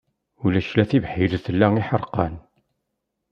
Ulac la tibḥirt la iḥerqan.